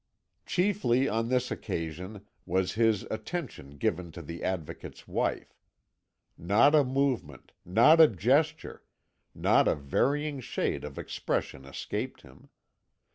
Chiefly on this occasion was his attention given to the Advocate's wife. Not a movement, not a gesture, not a varying shade of expression escaped him.